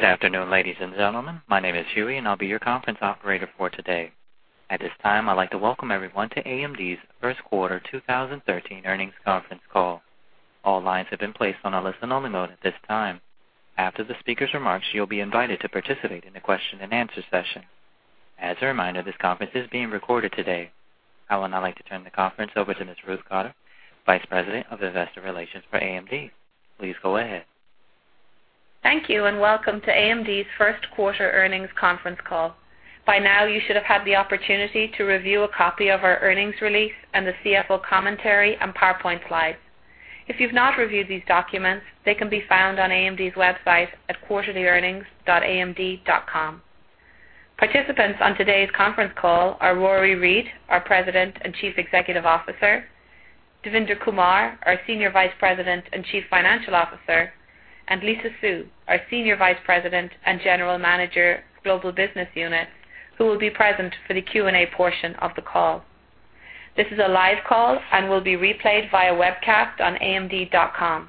Good afternoon, ladies and gentlemen. My name is Huey and I'll be your conference operator for today. At this time, I'd like to welcome everyone to AMD's first quarter 2013 earnings conference call. All lines have been placed on a listen-only mode at this time. After the speaker's remarks, you'll be invited to participate in a question-and-answer session. As a reminder, this conference is being recorded today. I would now like to turn the conference over to Ms. Ruth Cotter, Vice President of Investor Relations for AMD. Please go ahead. Thank you. Welcome to AMD's first-quarter earnings conference call. By now, you should have had the opportunity to review a copy of our earnings release and the CFO commentary and PowerPoint slides. If you've not reviewed these documents, they can be found on AMD's website at quarterlyearnings.amd.com. Participants on today's conference call are Rory Read, our President and Chief Executive Officer, Devinder Kumar, our Senior Vice President and Chief Financial Officer, and Lisa Su, our Senior Vice President and General Manager, Global Business Unit, who will be present for the Q&A portion of the call. This is a live call and will be replayed via webcast on amd.com.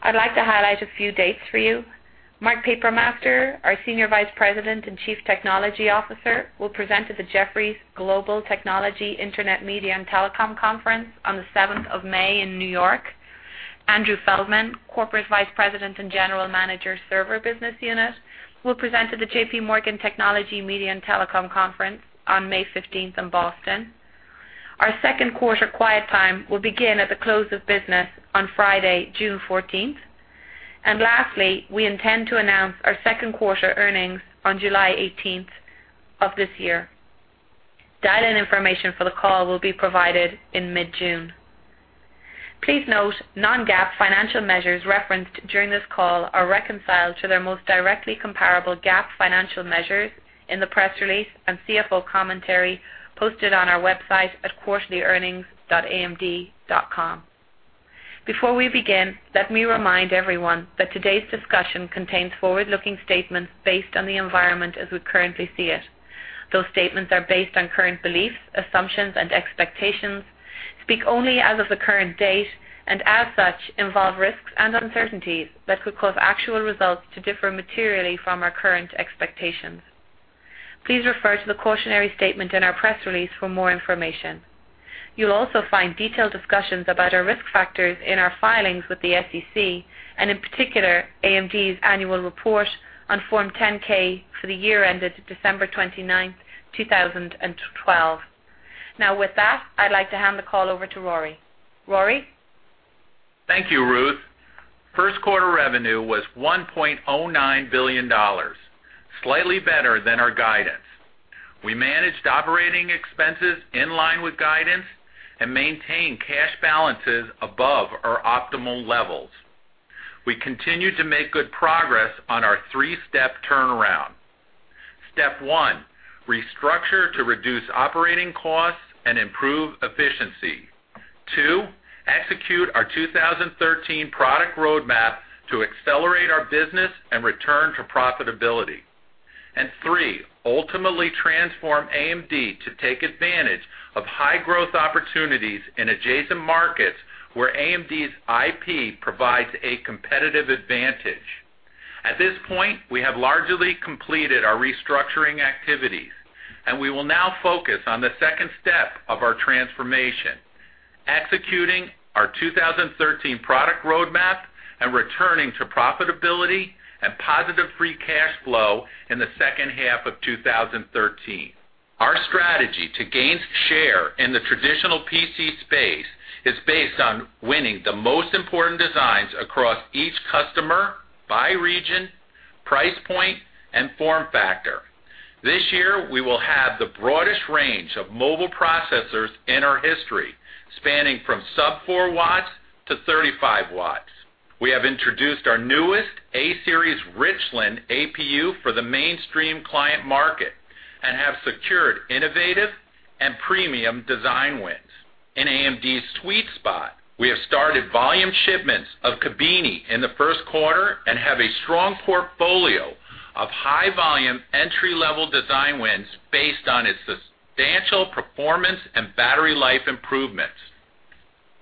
I'd like to highlight a few dates for you. Mark Papermaster, our Senior Vice President and Chief Technology Officer, will present at the Jefferies Global Technology, Internet, Media, and Telecom Conference on the 7th of May in New York. Andrew Feldman, Corporate Vice President and General Manager, Server Business Unit, will present at the JP Morgan Technology, Media, and Telecom Conference on May 15th in Boston. Our second quarter quiet time will begin at the close of business on Friday, June 14th. Lastly, we intend to announce our second quarter earnings on July 18th of this year. Dial-in information for the call will be provided in mid-June. Please note, non-GAAP financial measures referenced during this call are reconciled to their most directly comparable GAAP financial measures in the press release and CFO commentary posted on our website at quarterlyearnings.amd.com. Before we begin, let me remind everyone that today's discussion contains forward-looking statements based on the environment as we currently see it. Those statements are based on current beliefs, assumptions, and expectations, speak only as of the current date, and as such, involve risks and uncertainties that could cause actual results to differ materially from our current expectations. Please refer to the cautionary statement in our press release for more information. You'll also find detailed discussions about our risk factors in our filings with the SEC, and in particular, AMD's annual report on Form 10-K for the year ended December 29th, 2012. With that, I'd like to hand the call over to Rory. Rory? Thank you, Ruth. First quarter revenue was $1.09 billion, slightly better than our guidance. We managed operating expenses in line with guidance and maintained cash balances above our optimal levels. We continued to make good progress on our three-step turnaround. Step 1: restructure to reduce operating costs and improve efficiency. 2: execute our 2013 product roadmap to accelerate our business and return to profitability. 3: ultimately transform AMD to take advantage of high-growth opportunities in adjacent markets where AMD's IP provides a competitive advantage. At this point, we have largely completed our restructuring activities, and we will now focus on the second step of our transformation, executing our 2013 product roadmap and returning to profitability and positive free cash flow in the second half of 2013. Our strategy to gain share in the traditional PC space is based on winning the most important designs across each customer by region, price point, and form factor. This year, we will have the broadest range of mobile processors in our history, spanning from sub 4 watts to 35 watts. We have introduced our newest A-Series Richland APU for the mainstream client market and have secured innovative and premium design wins. In AMD's sweet spot, we have started volume shipments of Kabini in the first quarter and have a strong portfolio of high-volume, entry-level design wins based on its substantial performance and battery life improvements.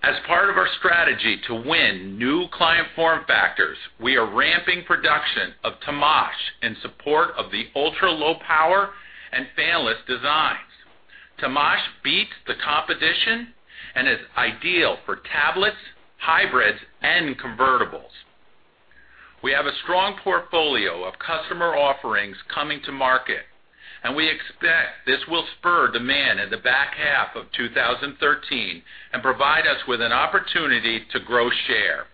As part of our strategy to win new client form factors, we are ramping production of Temash in support of the ultra-low power and fanless designs. Temash beats the competition and is ideal for tablets, hybrids, and convertibles. We have a strong portfolio of customer offerings coming to market. We expect this will spur demand in the back half of 2013 and provide us with an opportunity to grow share.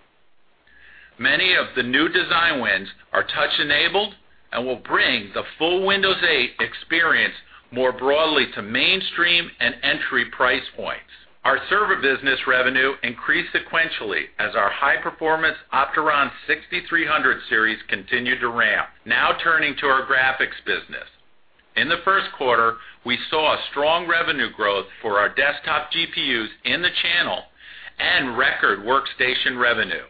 Many of the new design wins are touch-enabled and will bring the full Windows 8 experience more broadly to mainstream and entry price points. Our server business revenue increased sequentially as our high-performance Opteron 6300 series continued to ramp. Now turning to our graphics business. In the first quarter, we saw a strong revenue growth for our desktop GPUs in the channel and record workstation revenue.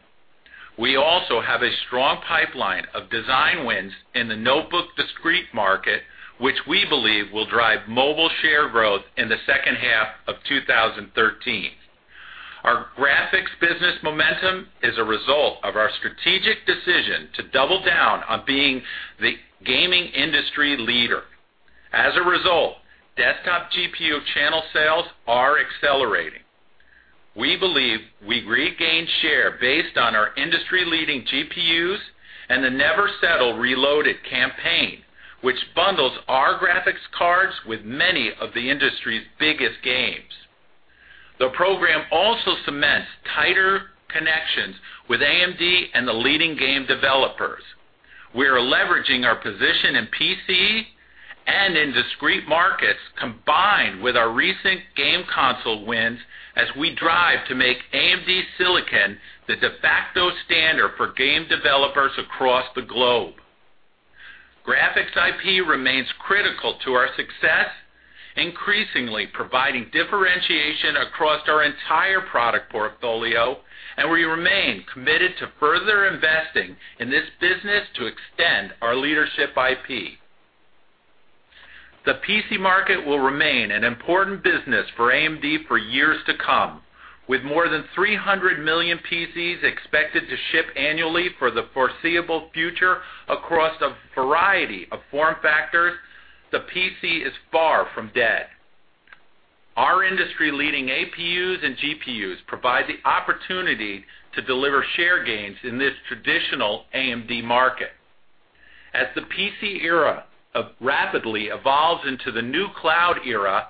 We also have a strong pipeline of design wins in the notebook discrete market, which we believe will drive mobile share growth in the second half of 2013. Our graphics business momentum is a result of our strategic decision to double down on being the gaming industry leader. As a result, desktop GPU channel sales are accelerating. We believe we regained share based on our industry-leading GPUs and the Never Settle: Reloaded campaign, which bundles our graphics cards with many of the industry's biggest games. The program also cements tighter connections with AMD and the leading game developers. We are leveraging our position in PC and in discrete markets, combined with our recent game console wins, as we drive to make AMD silicon the de facto standard for game developers across the globe. Graphics IP remains critical to our success, increasingly providing differentiation across our entire product portfolio. We remain committed to further investing in this business to extend our leadership IP. The PC market will remain an important business for AMD for years to come. With more than 300 million PCs expected to ship annually for the foreseeable future across a variety of form factors, the PC is far from dead. Our industry-leading APUs and GPUs provide the opportunity to deliver share gains in this traditional AMD market. As the PC era rapidly evolves into the new cloud era,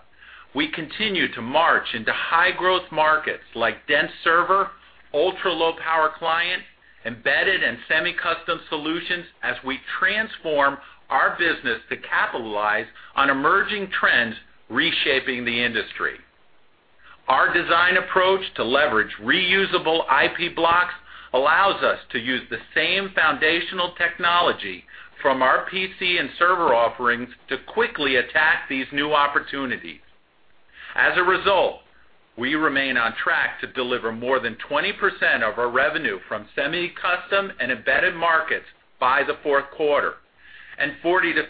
we continue to march into high-growth markets like dense server, ultra-low-power client, embedded, and semi-custom solutions as we transform our business to capitalize on emerging trends reshaping the industry. Our design approach to leverage reusable IP blocks allows us to use the same foundational technology from our PC and server offerings to quickly attack these new opportunities. We remain on track to deliver more than 20% of our revenue from semi-custom and embedded markets by the fourth quarter, and 40%-50%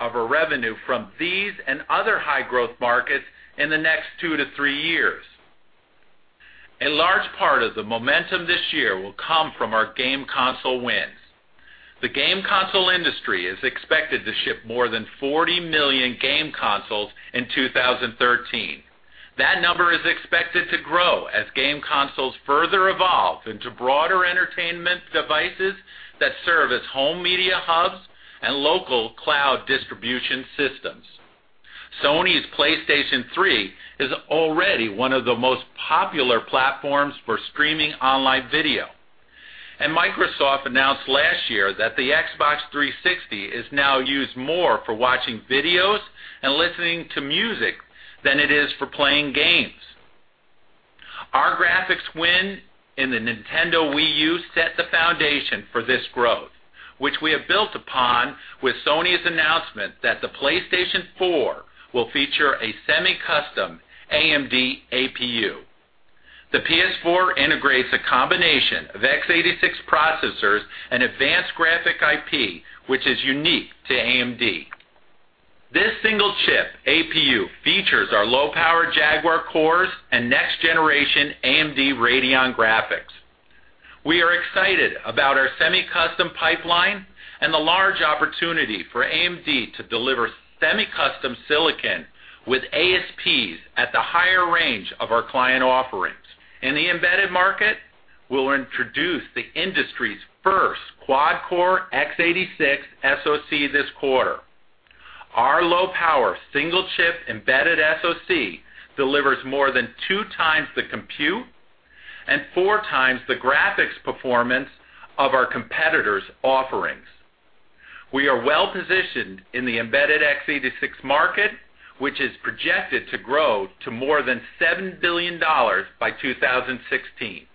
of our revenue from these and other high-growth markets in the next two to three years. A large part of the momentum this year will come from our game console wins. The game console industry is expected to ship more than 40 million game consoles in 2013. That number is expected to grow as game consoles further evolve into broader entertainment devices that serve as home media hubs and local cloud distribution systems. Sony's PlayStation 3 is already one of the most popular platforms for streaming online video. Microsoft announced last year that the Xbox 360 is now used more for watching videos and listening to music than it is for playing games. Our graphics win in the Nintendo Wii U set the foundation for this growth, which we have built upon with Sony's announcement that the PlayStation 4 will feature a semi-custom AMD APU. The PS4 integrates a combination of x86 processors and advanced graphic IP, which is unique to AMD. This single-chip APU features our low-power Jaguar cores and next-generation AMD Radeon graphics. We are excited about our semi-custom pipeline and the large opportunity for AMD to deliver semi-custom silicon with ASPs at the higher range of our client offerings. In the embedded market, we'll introduce the industry's first quad-core x86 SoC this quarter. Our low-power, single-chip embedded SoC delivers more than two times the compute and four times the graphics performance of our competitors' offerings. We are well positioned in the embedded x86 market, which is projected to grow to more than $7 billion by 2016.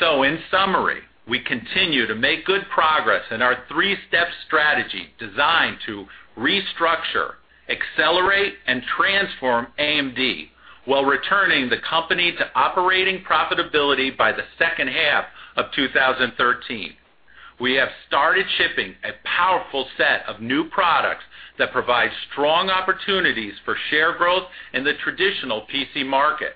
In summary, we continue to make good progress in our three-step strategy designed to restructure, accelerate, and transform AMD while returning the company to operating profitability by the second half of 2013. We have started shipping a powerful set of new products that provide strong opportunities for share growth in the traditional PC market.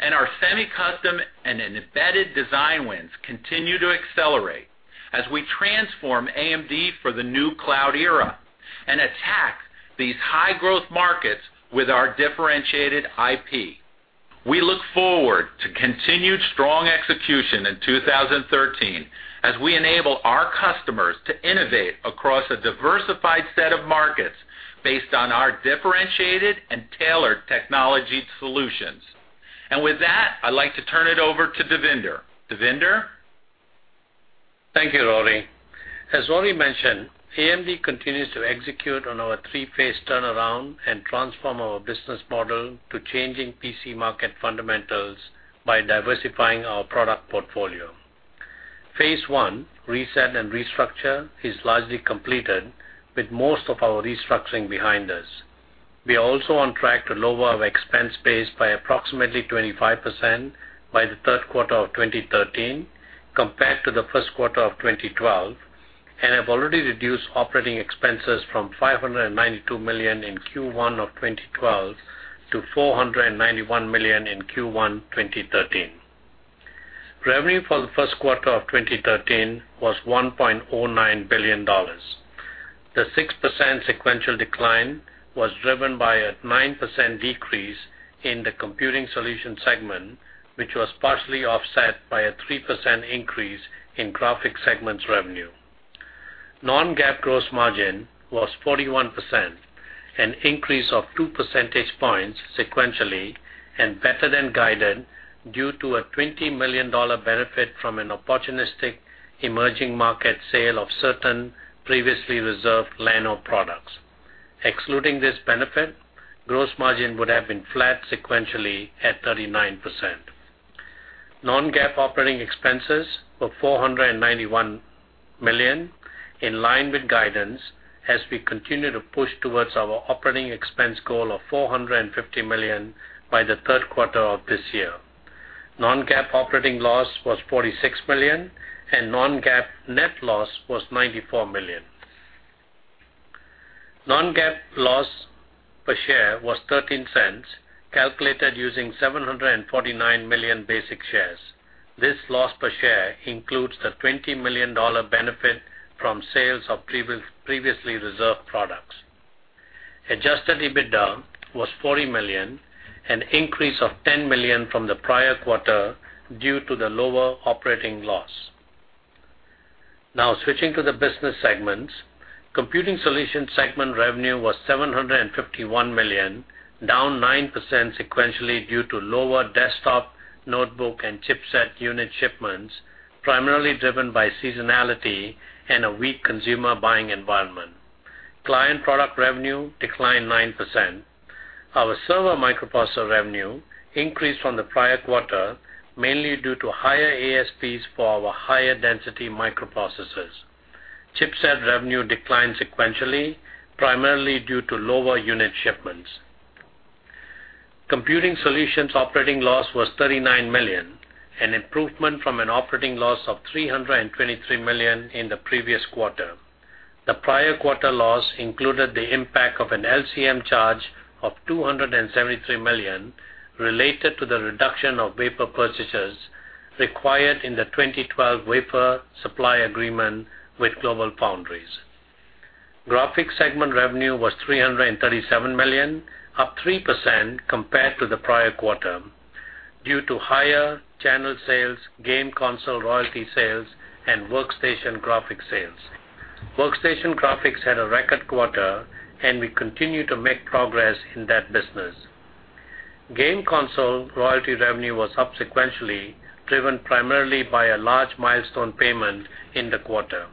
Our semi-custom and embedded design wins continue to accelerate as we transform AMD for the new cloud era and attack these high-growth markets with our differentiated IP. We look forward to continued strong execution in 2013 as we enable our customers to innovate across a diversified set of markets based on our differentiated and tailored technology solutions. With that, I'd like to turn it over to Devinder. Devinder? Thank you, Rory. As Rory mentioned, AMD continues to execute on our three-phase turnaround and transform our business model to changing PC market fundamentals by diversifying our product portfolio. Phase 1, reset and restructure, is largely completed with most of our restructuring behind us. We are also on track to lower our expense base by approximately 25% by the third quarter of 2013, compared to the first quarter of 2012, and have already reduced operating expenses from $592 million in Q1 2012 to $491 million in Q1 2013. Revenue for the first quarter of 2013 was $1.09 billion. The 6% sequential decline was driven by a 9% decrease in the Computing Solutions segment, which was partially offset by a 3% increase in Graphics segment revenue. non-GAAP gross margin was 41%, an increase of two percentage points sequentially and better than guided due to a $20 million benefit from an opportunistic emerging market sale of certain previously reserved Llano products. Excluding this benefit, gross margin would have been flat sequentially at 39%. non-GAAP operating expenses were $491 million, in line with guidance, as we continue to push towards our operating expense goal of $450 million by the third quarter of this year. non-GAAP operating loss was $46 million, and non-GAAP net loss was $94 million. non-GAAP loss per share was $0.13, calculated using 749 million basic shares. This loss per share includes the $20 million benefit from sales of previously reserved products. Adjusted EBITDA was $40 million, an increase of $10 million from the prior quarter due to the lower operating loss. Now switching to the business segments. Computing Solutions segment revenue was $751 million, down 9% sequentially due to lower desktop, notebook, and chipset unit shipments, primarily driven by seasonality and a weak consumer buying environment. Client product revenue declined 9%. Our server microprocessor revenue increased from the prior quarter, mainly due to higher ASPs for our higher-density microprocessors. Chipset revenue declined sequentially, primarily due to lower unit shipments. Computing Solutions operating loss was $39 million, an improvement from an operating loss of $323 million in the previous quarter. The prior quarter loss included the impact of an LCM charge of $273 million related to the reduction of wafer purchases required in the 2012 wafer supply agreement with GlobalFoundries. Graphics segment revenue was $337 million, up 3% compared to the prior quarter due to higher channel sales, game console royalty sales, and workstation graphics sales. Workstation graphics had a record quarter, and we continue to make progress in that business. Game console royalty revenue was up sequentially driven primarily by a large milestone payment in the quarter.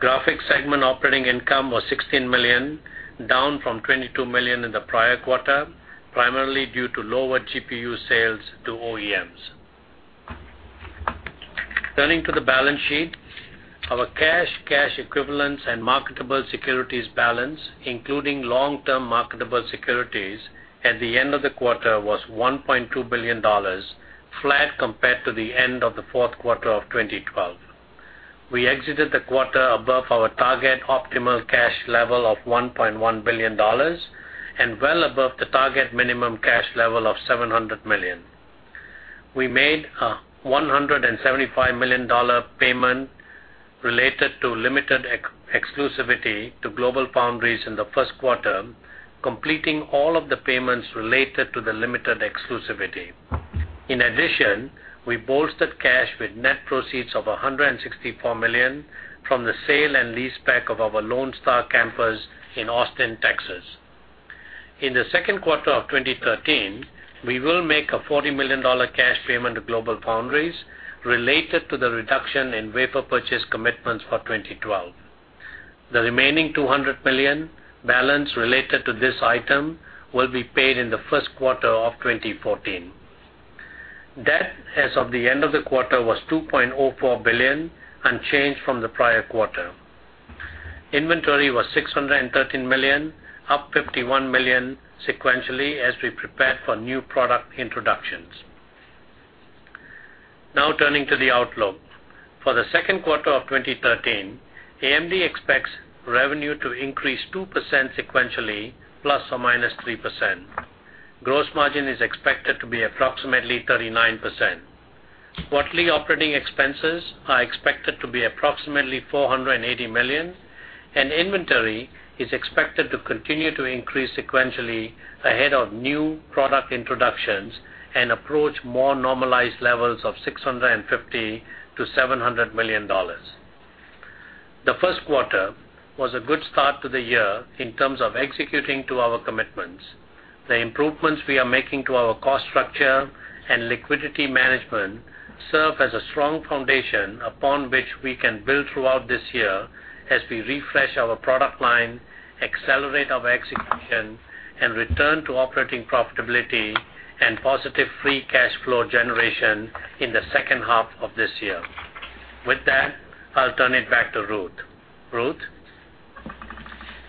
Graphics segment operating income was $16 million, down from $22 million in the prior quarter, primarily due to lower GPU sales to OEMs. Turning to the balance sheet, our cash equivalents, and marketable securities balance, including long-term marketable securities, at the end of the quarter was $1.2 billion, flat compared to the end of the fourth quarter of 2012. We exited the quarter above our target optimal cash level of $1.1 billion and well above the target minimum cash level of $700 million. We made a $175 million payment related to limited exclusivity to GlobalFoundries in the first quarter, completing all of the payments related to the limited exclusivity. In addition, we bolstered cash with net proceeds of $164 million from the sale and leaseback of our Lone Star campus in Austin, Texas. In the second quarter of 2013, we will make a $40 million cash payment to GlobalFoundries related to the reduction in wafer purchase commitments for 2012. The remaining $200 million balance related to this item will be paid in the first quarter of 2014. Debt as of the end of the quarter was $2.04 billion, unchanged from the prior quarter. Inventory was $613 million, up $51 million sequentially as we prepared for new product introductions. Turning to the outlook. For the second quarter of 2013, AMD expects revenue to increase 2% sequentially, ±3%. Gross margin is expected to be approximately 39%. Quarterly operating expenses are expected to be approximately $480 million. Inventory is expected to continue to increase sequentially ahead of new product introductions and approach more normalized levels of $650 million-$700 million. The first quarter was a good start to the year in terms of executing to our commitments. The improvements we are making to our cost structure and liquidity management serve as a strong foundation upon which we can build throughout this year as we refresh our product line, accelerate our execution, and return to operating profitability and positive free cash flow generation in the second half of this year. With that, I'll turn it back to Ruth. Ruth?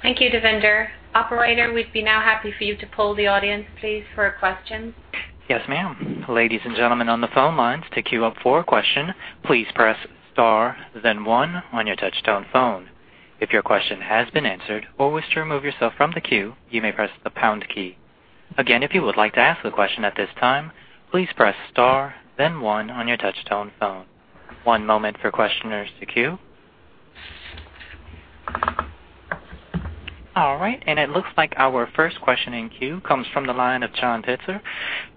Thank you, Devinder. Operator, we'd be now happy for you to poll the audience please, for questions. Yes, ma'am. Ladies and gentlemen on the phone lines, to queue up for a question, please press star then one on your touch-tone phone. If your question has been answered or wish to remove yourself from the queue, you may press the pound key. Again, if you would like to ask a question at this time, please press star then one on your touch-tone phone. One moment for questioners to queue. All right. It looks like our first question in queue comes from the line of John Pitzer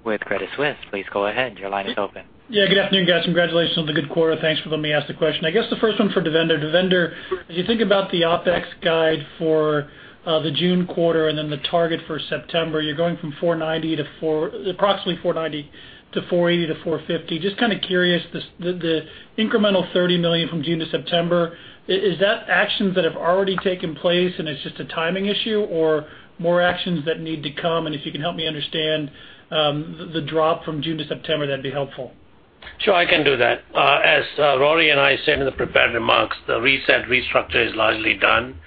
with Credit Suisse. Please go ahead. Your line is open. Yeah, good afternoon, guys. Congratulations on the good quarter. Thanks for letting me ask the question. I guess the first one for Devinder. Devinder, as you think about the OPEX guide for the June quarter and then the target for September, you're going from approximately $490 to $480 to $450. Just kind of curious, the incremental $30 million from June to September, is that actions that have already taken place and it's just a timing issue or more actions that need to come? If you can help me understand, the drop from June to September, that'd be helpful. Sure, I can do that. As Rory and I said in the prepared remarks, the reset restructure is largely done,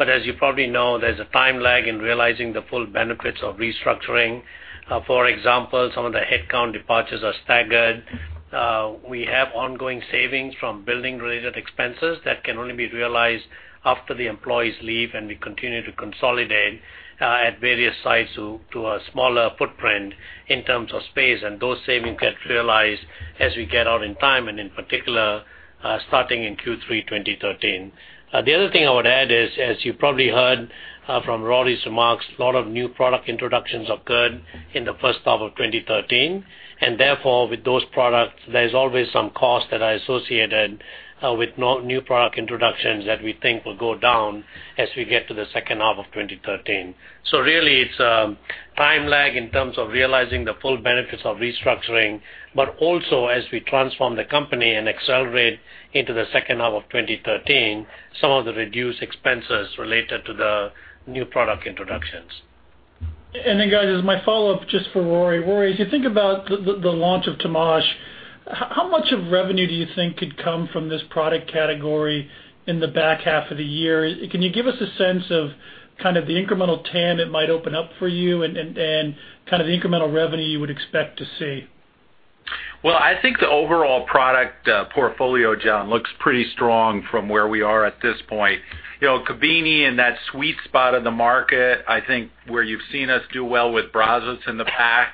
as you probably know, there's a time lag in realizing the full benefits of restructuring. For example, some of the headcount departures are staggered. We have ongoing savings from building related expenses that can only be realized after the employees leave and we continue to consolidate, at various sites to a smaller footprint in terms of space. Those savings get realized as we get out in time and in particular, starting in Q3 2013. The other thing I would add is, as you probably heard from Rory's remarks, a lot of new product introductions occurred in the first half of 2013, therefore, with those products, there's always some costs that are associated with new product introductions that we think will go down as we get to the second half of 2013. Really, it's a time lag in terms of realizing the full benefits of restructuring, also as we transform the company and accelerate into the second half of 2013, some of the reduced expenses related to the new product introductions. Guys, as my follow-up just for Rory. Rory, as you think about the launch of Temash, how much of revenue do you think could come from this product category in the back half of the year? Can you give us a sense of kind of the incremental TAM it might open up for you and kind of the incremental revenue you would expect to see? I think the overall product portfolio, John, looks pretty strong from where we are at this point. Kabini in that sweet spot of the market, I think where you've seen us do well with Brazos in the past.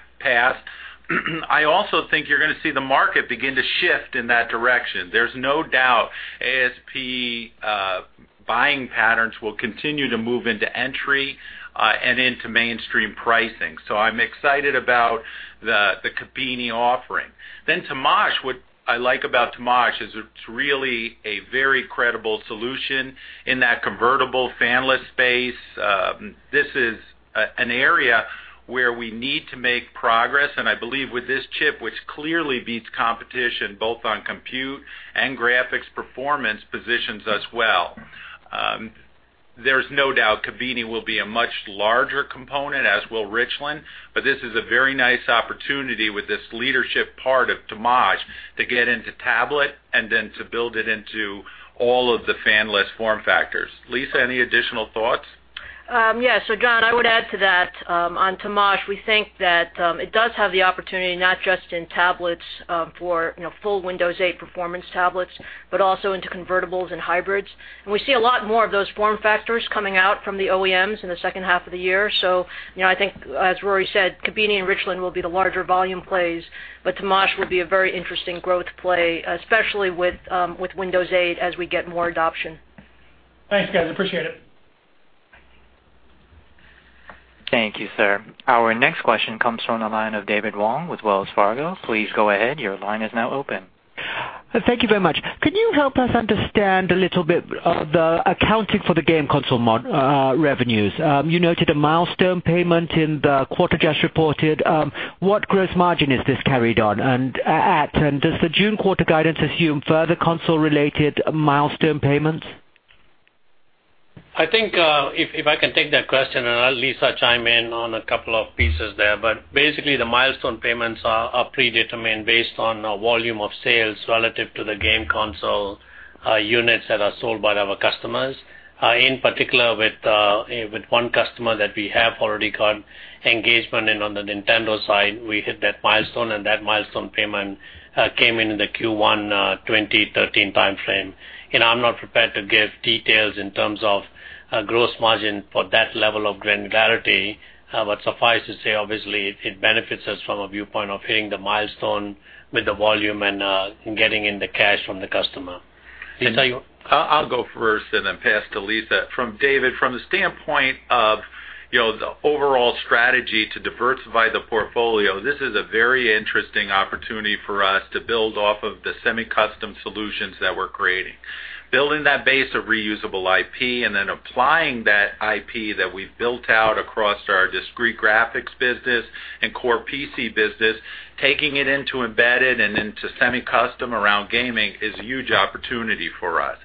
I also think you're going to see the market begin to shift in that direction. There's no doubt ASP buying patterns will continue to move into entry, and into mainstream pricing. I'm excited about the Kabini offering. Temash, what I like about Temash is it's really a very credible solution in that convertible fanless space. This is an area where we need to make progress, and I believe with this chip, which clearly beats competition both on compute and graphics performance, positions us well. There's no doubt Kabini will be a much larger component, as will Richland, this is a very nice opportunity with this leadership part of Temash to get into tablet and then to build it into all of the fanless form factors. Lisa, any additional thoughts? John, I would add to that, on Temash, we think that it does have the opportunity, not just in tablets for full Windows 8 performance tablets, but also into convertibles and hybrids. We see a lot more of those form factors coming out from the OEMs in the second half of the year. I think as Rory said, Kabini and Richland will be the larger volume plays, but Temash will be a very interesting growth play, especially with Windows 8 as we get more adoption. Thanks, guys. Appreciate it. Thank you, sir. Our next question comes from the line of David Wong with Wells Fargo. Please go ahead. Your line is now open. Thank you very much. Could you help us understand a little bit of the accounting for the game console revenues? You noted a milestone payment in the quarter just reported. What gross margin is this carried on and at? Does the June quarter guidance assume further console-related milestone payments? I think, if I can take that question, I'll let Lisa chime in on a couple of pieces there. Basically, the milestone payments are predetermined based on volume of sales relative to the game console units that are sold by our customers. In particular with one customer that we have already got engagement in on the Nintendo side, we hit that milestone, and that milestone payment came in in the Q1 2013 timeframe. I'm not prepared to give details in terms of gross margin for that level of granularity. Suffice to say, obviously, it benefits us from a viewpoint of hitting the milestone with the volume and getting in the cash from the customer. Lisa? I'll go first and then pass to Lisa. David, from the standpoint of the overall strategy to diversify the portfolio, this is a very interesting opportunity for us to build off of the semi-custom solutions that we're creating. Building that base of reusable IP and then applying that IP that we've built out across our discrete graphics business and core PC business, taking it into embedded and into semi-custom around gaming is a huge opportunity for us.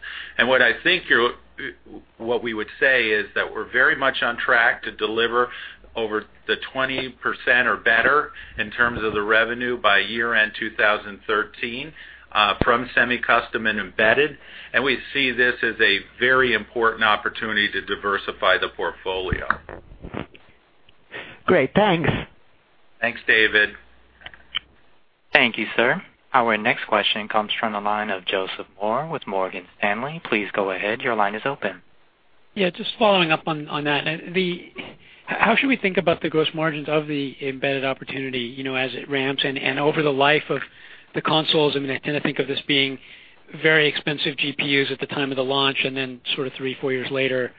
What we would say is that we're very much on track to deliver over the 20% or better in terms of the revenue by year-end 2013, from semi-custom and embedded, we see this as a very important opportunity to diversify the portfolio. Great. Thanks. Thanks, David. Thank you, sir. Our next question comes from the line of Joseph Moore with Morgan Stanley. Please go ahead. Your line is open. Yeah. Just following up on that. How should we think about the gross margins of the embedded opportunity, as it ramps and over the life of the consoles? I tend to think of this being very expensive GPUs at the time of the launch, and then sort of three, four years later,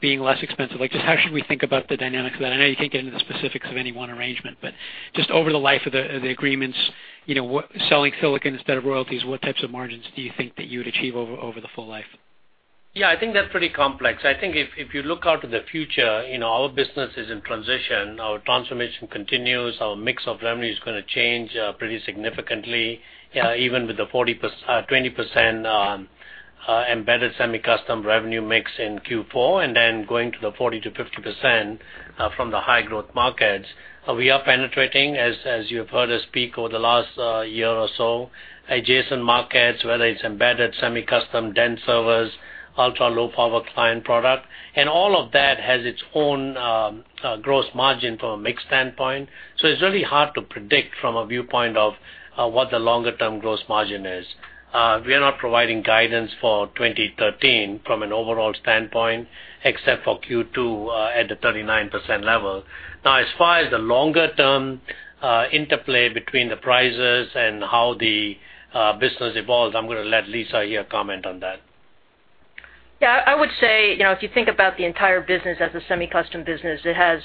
being less expensive. Just how should we think about the dynamics of that? I know you can't get into the specifics of any one arrangement, but just over the life of the agreements, selling silicon instead of royalties, what types of margins do you think that you would achieve over the full life? I think that's pretty complex. I think if you look out to the future, our business is in transition. Our transformation continues. Our mix of revenue is going to change pretty significantly. Even with the 20% embedded semi-custom revenue mix in Q4, then going to the 40%-50% from the high growth markets. We are penetrating, as you have heard us speak over the last year or so, adjacent markets, whether it's embedded semi-custom, dense servers, ultra-low power client product, and all of that has its own gross margin from a mix standpoint. It's really hard to predict from a viewpoint of what the longer-term gross margin is. We are not providing guidance for 2013 from an overall standpoint, except for Q2 at the 39% level. As far as the longer-term interplay between the prices and how the business evolves, I'm going to let Lisa here comment on that. I would say, if you think about the entire business as a semi-custom business, it has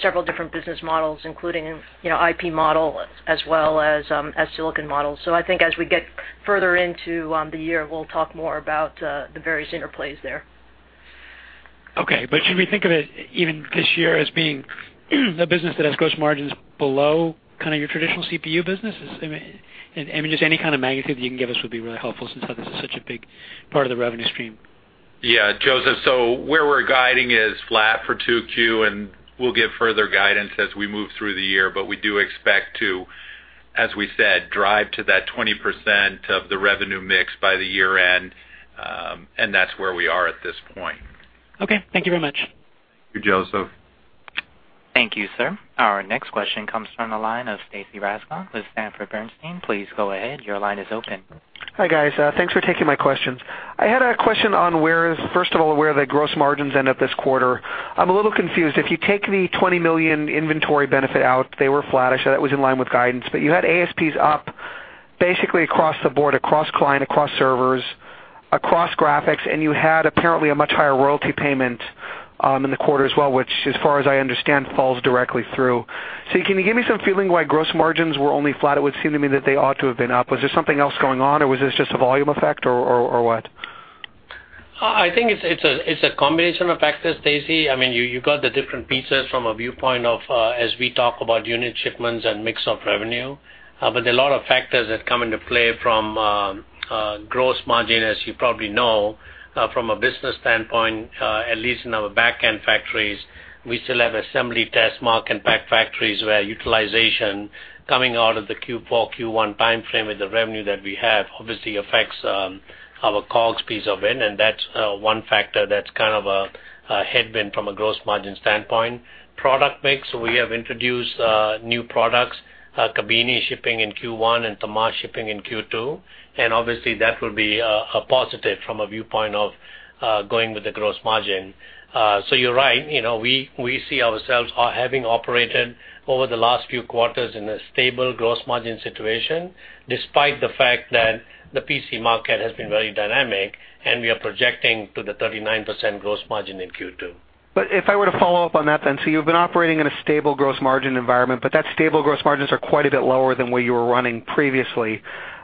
several different business models, including IP model as well as silicon models. I think as we get further into the year, we'll talk more about the various interplays there. Okay. Should we think of it even this year as being a business that has gross margins below your traditional CPU business? I mean, just any kind of magnitude that you can give us would be really helpful since this is such a big part of the revenue stream. Joseph, where we're guiding is flat for 2Q, and we'll give further guidance as we move through the year. We do expect to, as we said, drive to that 20% of the revenue mix by the year-end, and that's where we are at this point. Thank you very much. Thank you, Joseph. Thank you, sir. Our next question comes from the line of Stacy Rasgon with Sanford Bernstein. Please go ahead. Your line is open. Hi, guys. Thanks for taking my questions. I had a question on where, first of all, where the gross margins end up this quarter. I am a little confused. If you take the $20 million inventory benefit out, they were flattish, so that was in line with guidance. You had ASPs up basically across the board, across client, across servers, across graphics, and you had apparently a much higher royalty payment in the quarter as well, which as far as I understand, falls directly through. Can you give me some feeling why gross margins were only flat? It would seem to me that they ought to have been up. Was there something else going on, or was this just a volume effect or what? I think it is a combination of factors, Stacy. You got the different pieces from a viewpoint of as we talk about unit shipments and mix of revenue. There are a lot of factors that come into play from gross margin, as you probably know, from a business standpoint, at least in our back-end factories. We still have assembly, test, mark, and pack factories where utilization coming out of the Q4, Q1 timeframe with the revenue that we have obviously affects our COGS piece of it, and that is one factor that is kind of a headwind from a gross margin standpoint. Product mix, we have introduced new products, Kabini shipping in Q1 and Temash shipping in Q2, and obviously that will be a positive from a viewpoint of going with the gross margin. You are right. We see ourselves having operated over the last few quarters in a stable gross margin situation, despite the fact that the PC market has been very dynamic, and we are projecting to the 39% gross margin in Q2. If I were to follow up on that then, you have been operating in a stable gross margin environment, that stable gross margins are quite a bit lower than where you were running previously. You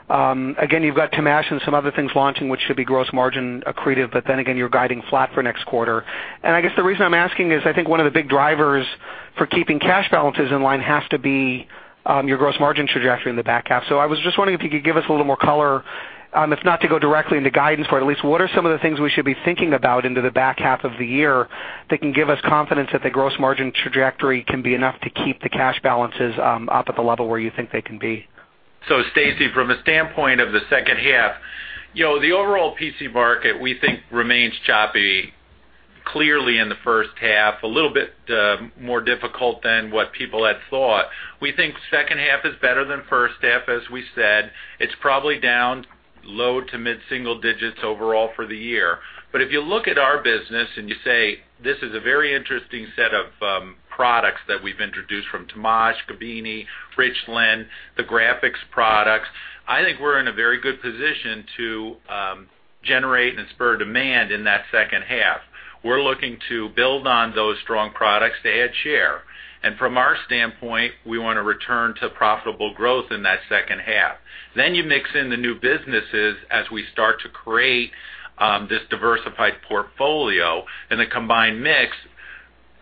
have got Temash and some other things launching, which should be gross margin accretive, you are guiding flat for next quarter. I guess the reason I am asking is I think one of the big drivers for keeping cash balances in line has to be your gross margin trajectory in the back half. I was just wondering if you could give us a little more color, if not to go directly into guidance for it, at least what are some of the things we should be thinking about into the back half of the year that can give us confidence that the gross margin trajectory can be enough to keep the cash balances up at the level where you think they can be? Stacy, from the standpoint of the second half, the overall PC market, we think remains choppy. Clearly in the first half, a little bit more difficult than what people had thought. We think second half is better than first half, as we said. It's probably down low to mid-single digits overall for the year. If you look at our business and you say this is a very interesting set of products that we've introduced from Temash, Kabini, Richland, the graphics products, I think we're in a very good position to generate and spur demand in that second half. We're looking to build on those strong products to add share. From our standpoint, we want to return to profitable growth in that second half. You mix in the new businesses as we start to create this diversified portfolio, the combined mix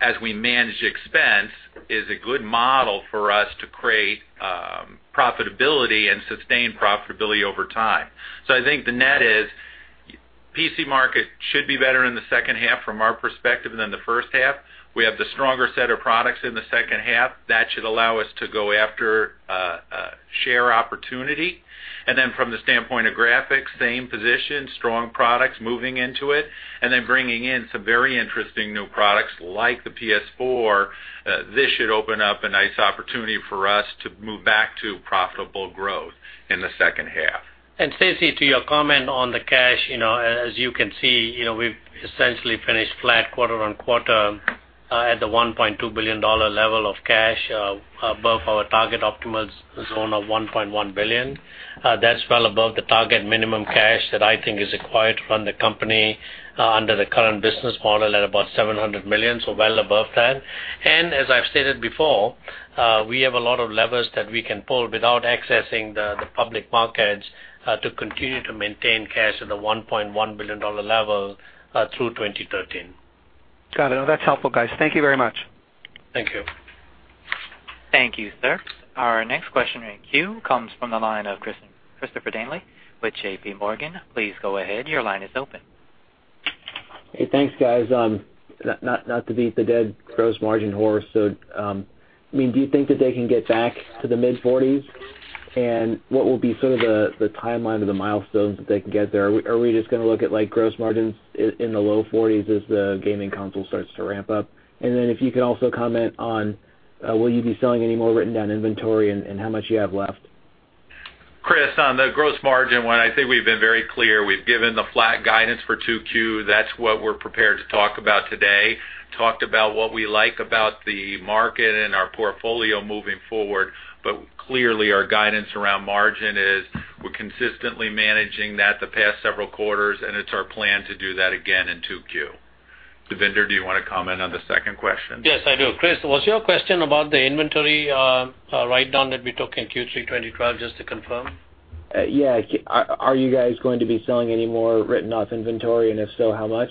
as we manage expense is a good model for us to create profitability and sustain profitability over time. I think the net is PC market should be better in the second half from our perspective than the first half. We have the stronger set of products in the second half. That should allow us to go after share opportunity. From the standpoint of graphics, same position, strong products moving into it, bringing in some very interesting new products like the PS4. This should open up a nice opportunity for us to move back to profitable growth in the second half. Stacy, to your comment on the cash, as you can see, we've essentially finished flat quarter on quarter at the $1.2 billion level of cash above our target optimal zone of $1.1 billion. That's well above the target minimum cash that I think is required to run the company under the current business model at about $700 million. Well above that. As I've stated before, we have a lot of levers that we can pull without accessing the public markets, to continue to maintain cash at a $1.1 billion level through 2013. Got it. No, that's helpful, guys. Thank you very much. Thank you. Thank you, sir. Our next question in queue comes from the line of Christopher Danely with JP Morgan. Please go ahead. Your line is open. Hey. Thanks, guys. Not to beat the dead gross margin horse, do you think that they can get back to the mid-40s? What will be sort of the timeline or the milestones that they can get there? Are we just going to look at gross margins in the low 40s as the gaming console starts to ramp up? If you could also comment on, will you be selling any more written-down inventory and how much you have left? Chris, on the gross margin one, I think we've been very clear. We've given the flat guidance for 2Q. That's what we're prepared to talk about today. Talked about what we like about the market and our portfolio moving forward, clearly our guidance around margin is we're consistently managing that the past several quarters, and it's our plan to do that again in 2Q. Devinder, do you want to comment on the second question? Yes, I do. Chris, was your question about the inventory write-down that we took in Q3 2012, just to confirm? Yeah. Are you guys going to be selling any more written-off inventory, and if so, how much?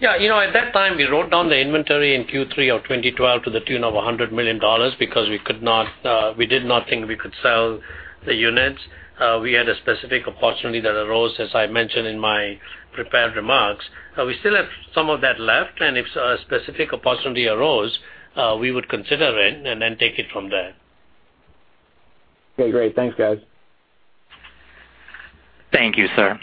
Yeah. At that time, we wrote down the inventory in Q3 of 2012 to the tune of $100 million because we did not think we could sell the units. We had a specific opportunity that arose, as I mentioned in my prepared remarks. We still have some of that left, if a specific opportunity arose, we would consider it and then take it from there. Okay, great. Thanks, guys. Thank you, sir.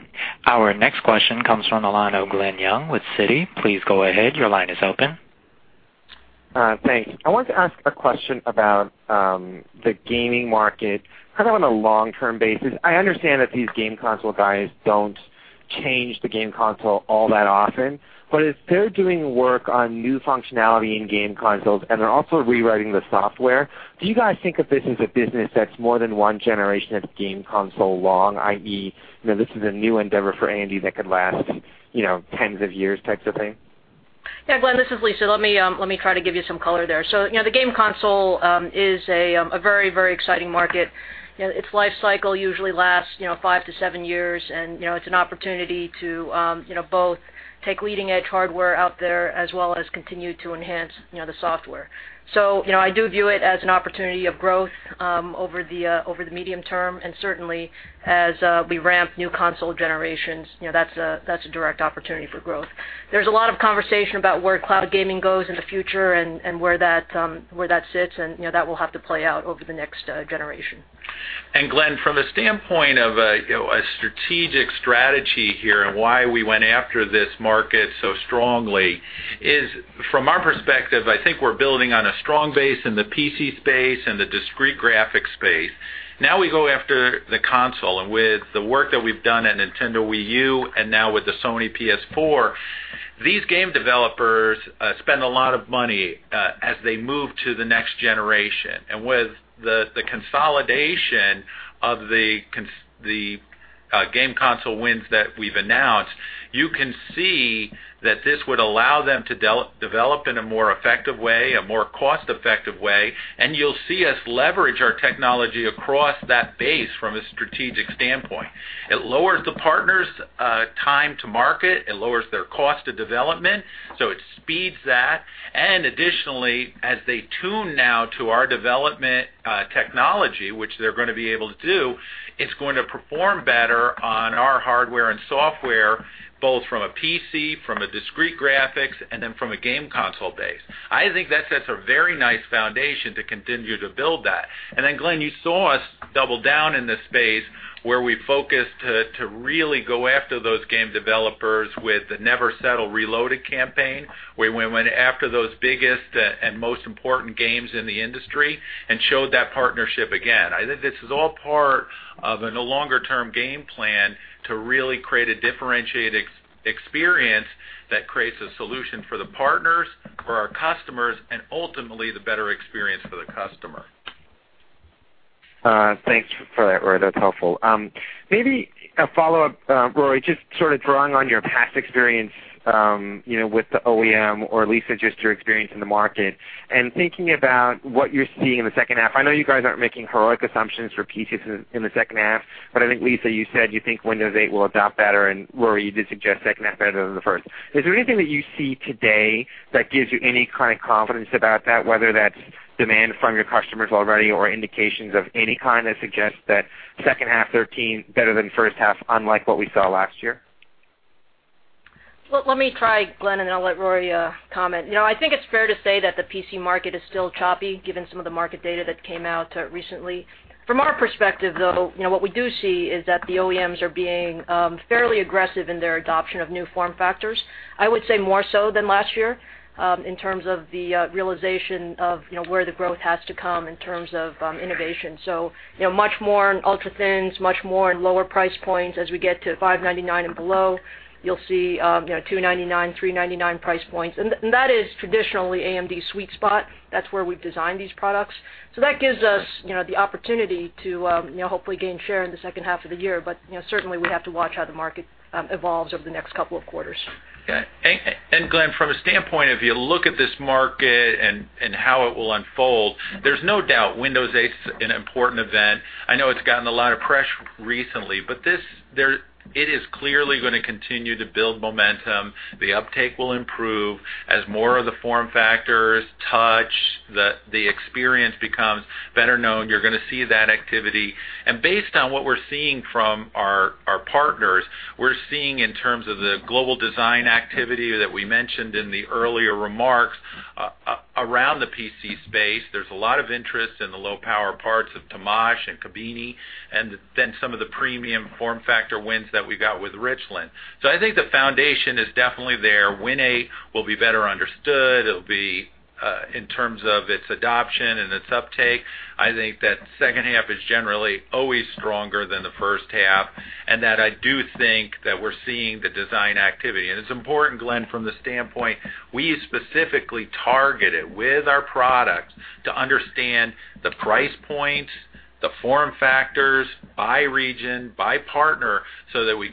Our next question comes from the line of Glen Yeung with Citi. Please go ahead. Your line is open. Thanks. I wanted to ask a question about the gaming market, kind of on a long-term basis. I understand that these game console guys don't change the game console all that often, but as they're doing work on new functionality in game consoles and they're also rewriting the software, do you guys think of this as a business that's more than one generation of game console long, i.e., this is a new endeavor for AMD that could last tens of years type of thing? Yeah, Glen, this is Lisa. Let me try to give you some color there. The game console is a very exciting market. Its life cycle usually lasts five to seven years, and it's an opportunity to both take leading-edge hardware out there as well as continue to enhance the software. I do view it as an opportunity of growth over the medium term, and certainly as we ramp new console generations, that's a direct opportunity for growth. There's a lot of conversation about where cloud gaming goes in the future and where that sits, and that will have to play out over the next generation. Glen, from the standpoint of a strategic strategy here and why we went after this market so strongly is from our perspective, I think we're building on a strong base in the PC space and the discrete graphics space. Now we go after the console and with the work that we've done at Nintendo Wii U and now with the Sony PS4, these game developers spend a lot of money, as they move to the next generation. With the consolidation of the game console wins that we've announced, you can see that this would allow them to develop in a more effective way, a more cost-effective way, and you'll see us leverage our technology across that base from a strategic standpoint. It lowers the partners' time to market, it lowers their cost of development, so it speeds that. Additionally, as they tune now to our development technology, which they're going to be able to do, it's going to perform better on our hardware and software, both from a PC, from a discrete graphics, and then from a game console base. I think that sets a very nice foundation to continue to build that. Then Glen, you saw us double down in this space where we focused to really go after those game developers with the Never Settle: Reloaded campaign, where we went after those biggest and most important games in the industry and showed that partnership again. I think this is all part of a longer-term game plan to really create a differentiated experience that creates a solution for the partners, for our customers, and ultimately the better experience for the customer. Thanks for that, Rory. That's helpful. Maybe a follow-up, Rory, just sort of drawing on your past experience with the OEM or Lisa, just your experience in the market, and thinking about what you're seeing in the second half. I know you guys aren't making heroic assumptions for PCs in the second half, but I think, Lisa, you said you think Windows 8 will adopt better, and Rory, you did suggest second half better than the first. Is there anything that you see today that gives you any kind of confidence about that, whether that's demand from your customers already or indications of any kind that suggests that second half 2013 better than first half, unlike what we saw last year? Let me try, Glen, then I'll let Rory comment. I think it's fair to say that the PC market is still choppy given some of the market data that came out recently. From our perspective, though, what we do see is that the OEMs are being fairly aggressive in their adoption of new form factors. I would say more so than last year, in terms of the realization of where the growth has to come in terms of innovation. Much more on ultra-thins, much more on lower price points as we get to $599 and below, you'll see $299, $399 price points. That is traditionally AMD's sweet spot. That's where we've designed these products. That gives us the opportunity to hopefully gain share in the second half of the year. Certainly, we have to watch how the market evolves over the next couple of quarters. Okay. Glen, from a standpoint of you look at this market and how it will unfold, there's no doubt Windows 8 is an important event. I know it's gotten a lot of press recently, but it is clearly going to continue to build momentum. The uptake will improve as more of the form factors touch, the experience becomes better known. You're going to see that activity. Based on what we're seeing from our partners, we're seeing in terms of the global design activity that we mentioned in the earlier remarks, around the PC space, there's a lot of interest in the low-power parts of Temash and Kabini, and then some of the premium form factor wins that we got with Richland. I think the foundation is definitely there. Win 8 will be better understood. It'll be, in terms of its adoption and its uptake, I think that second half is generally always stronger than the first half, I do think that we're seeing the design activity. It's important, Glen, from the standpoint, we specifically targeted with our products to understand the price points, the form factors by region, by partner, so that we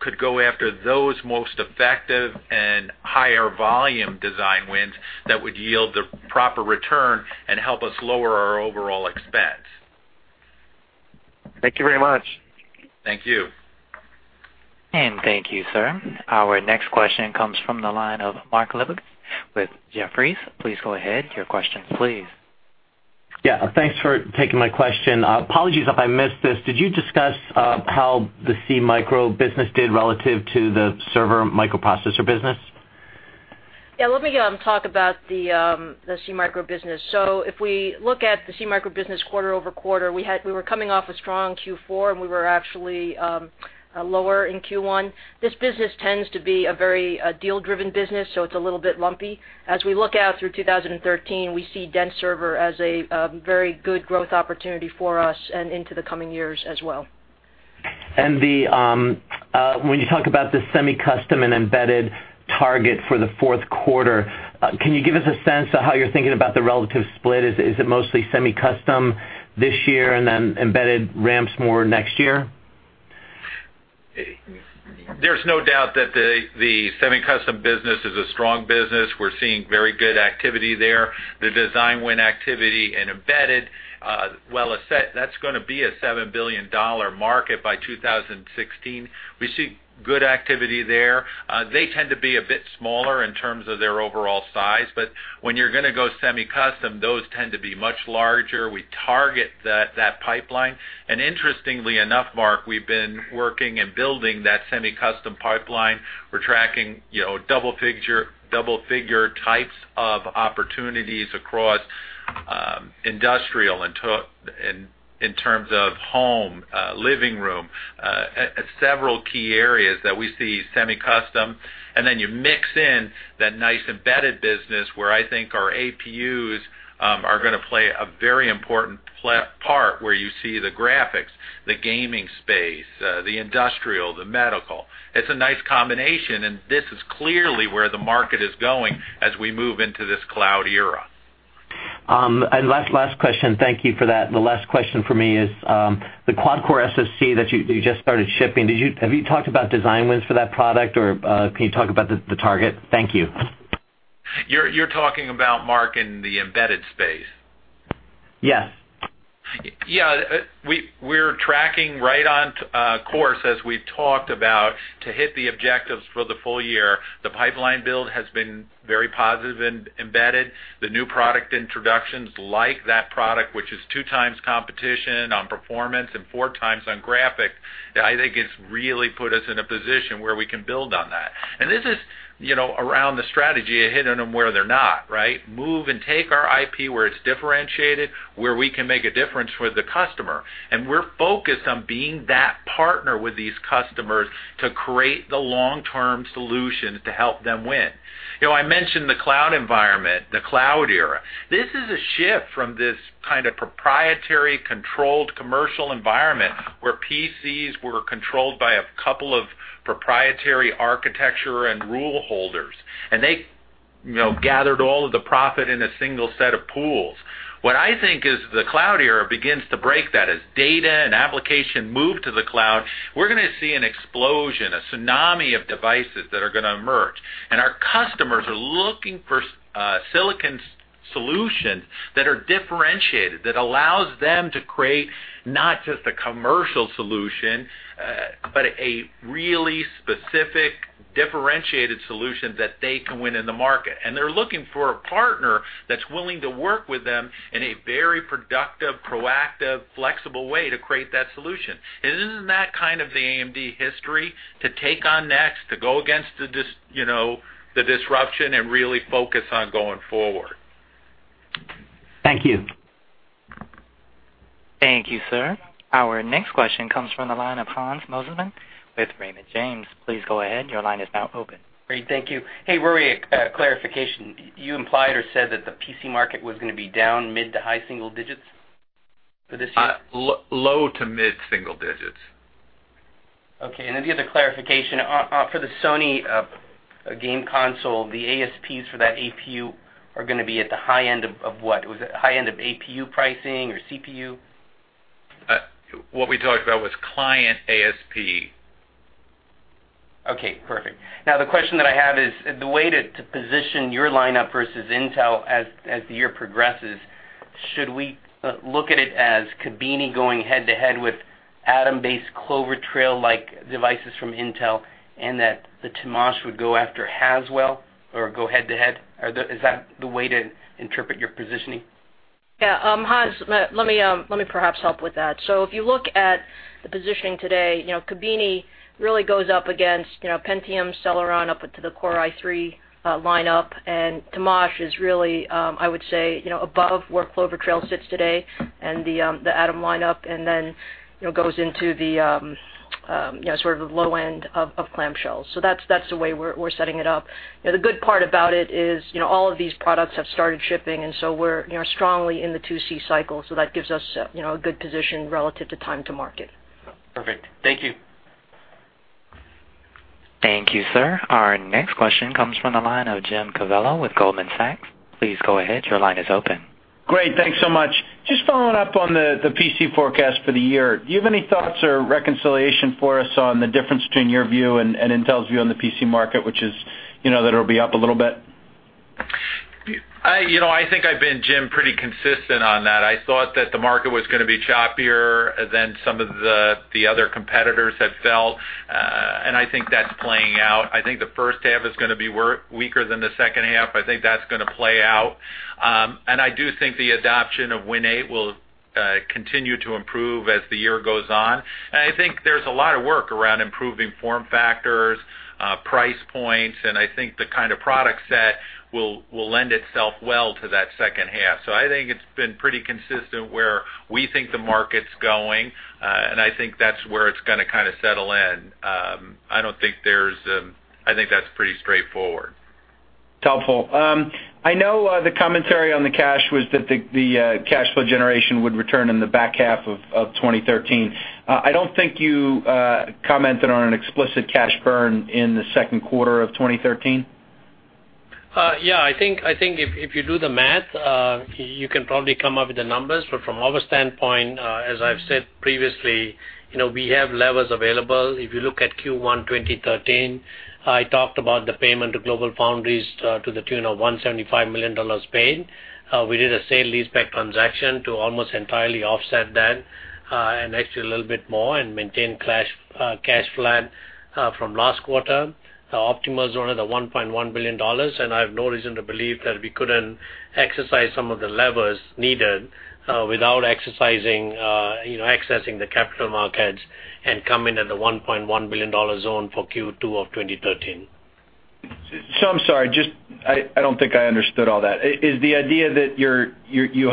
could go after those most effective and higher volume design wins that would yield the proper return and help us lower our overall expense. Thank you very much. Thank you. Thank you, sir. Our next question comes from the line of Mark Lipacis with Jefferies. Please go ahead with your question, please. Yeah. Thanks for taking my question. Apologies if I missed this. Did you discuss how the SeaMicro business did relative to the server microprocessor business? Yeah. Let me talk about the SeaMicro business. If we look at the SeaMicro business quarter-over-quarter, we were coming off a strong Q4, and we were actually lower in Q1. This business tends to be a very deal-driven business, so it's a little bit lumpy. As we look out through 2013, we see dense server as a very good growth opportunity for us and into the coming years as well. When you talk about the semi-custom and embedded target for the fourth quarter, can you give us a sense of how you're thinking about the relative split? Is it mostly semi-custom this year and then embedded ramps more next year? There's no doubt that the semi-custom business is a strong business. We're seeing very good activity there. The design win activity and embedded, well, that's going to be a $7 billion market by 2016. We see good activity there. They tend to be a bit smaller in terms of their overall size. When you're going to go semi-custom, those tend to be much larger. We target that pipeline. Interestingly enough, Mark, we've been working and building that semi-custom pipeline. We're tracking double figure types of opportunities across industrial in terms of home, living room, several key areas that we see semi-custom. You mix in that nice embedded business where I think our APUs are going to play a very important part, where you see the graphics, the gaming space, the industrial, the medical. It's a nice combination, and this is clearly where the market is going as we move into this cloud era. Last question. Thank you for that. The last question from me is, the quad-core SoC that you just started shipping, have you talked about design wins for that product, or can you talk about the target? Thank you. You're talking about, Mark, in the embedded space? Yes. Yeah. We're tracking right on course as we've talked about to hit the objectives for the full year. The pipeline build has been very positive in embedded. The new product introductions like that product, which is two times competition on performance and four times on graphics, I think has really put us in a position where we can build on that. This is around the strategy of hitting them where they're not, right? Move and take our IP where it's differentiated, where we can make a difference for the customer. We're focused on being that partner with these customers to create the long-term solutions to help them win. I mentioned the cloud environment, the cloud era. This is a shift from this kind of proprietary, controlled commercial environment where PCs were controlled by a couple of proprietary architecture and rule holders, and they gathered all of the profit in a single set of pools. What I think is the cloud era begins to break that. As data and application move to the cloud, we're going to see an explosion, a tsunami of devices that are going to emerge. Our customers are looking for silicon solutions that are differentiated, that allows them to create not just a commercial solution, but a really specific, differentiated solution that they can win in the market. They're looking for a partner that's willing to work with them in a very productive, proactive, flexible way to create that solution. Isn't that kind of the AMD history? To take on next, to go against the disruption and really focus on going forward. Thank you. Thank you, sir. Our next question comes from the line of Hans Mosesmann with Raymond James. Please go ahead. Your line is now open. Great. Thank you. Hey, Rory, a clarification. You implied or said that the PC market was going to be down mid to high single digits for this year? Low to mid single digits. Okay. The other clarification, for the Sony game console, the ASPs for that APU are going to be at the high end of what? Was it high end of APU pricing or CPU? What we talked about was client ASP. Okay, perfect. The question that I have is the way to position your lineup versus Intel as the year progresses, should we look at it as Kabini going head-to-head with Atom-based Clover Trail-like devices from Intel, and that the Temash would go after Haswell or go head-to-head? Is that the way to interpret your positioning? Yeah, Hans, let me perhaps help with that. If you look at the positioning today, Kabini really goes up against Pentium, Celeron, up to the Core i3 lineup, and Temash is really, I would say, above where Clover Trail sits today and the Atom lineup, and then goes into the low end of Clamshell. That's the way we're setting it up. The good part about it is all of these products have started shipping, and so we're strongly in the H2 cycle, so that gives us a good position relative to time to market. Perfect. Thank you. Thank you, sir. Our next question comes from the line of Jim Covello with Goldman Sachs. Please go ahead. Your line is open. Great. Thanks so much. Just following up on the PC forecast for the year. Do you have any thoughts or reconciliation for us on the difference between your view and Intel's view on the PC market, which is that it'll be up a little bit? I think I've been, Jim, pretty consistent on that. I thought that the market was going to be choppier than some of the other competitors had felt, and I think that's playing out. I think the first half is going to be weaker than the second half. I think that's going to play out. I do think the adoption of Win 8 will continue to improve as the year goes on. I think there's a lot of work around improving form factors, price points, and I think the kind of product set will lend itself well to that second half. I think it's been pretty consistent where we think the market's going, and I think that's where it's going to settle in. I think that's pretty straightforward. It's helpful. I know the commentary on the cash was that the cash flow generation would return in the back half of 2013. I don't think you commented on an explicit cash burn in the second quarter of 2013. I think if you do the math, you can probably come up with the numbers. From our standpoint, as I've said previously, we have levers available. If you look at Q1 2013, I talked about the payment to GlobalFoundries to the tune of $175 million paid. We did a sale leaseback transaction to almost entirely offset that, and actually a little bit more, and maintain cash flat from last quarter. The optimal zone of the $1.1 billion, and I have no reason to believe that we couldn't exercise some of the levers needed without accessing the capital markets and coming in at the $1.1 billion zone for Q2 of 2013. I'm sorry, I don't think I understood all that. Is the idea that you'll